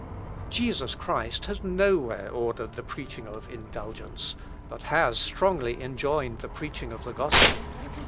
Jesus Christ has nowhere ordered the preaching of indulgence; but has strongly enjoined the preaching of the gospel.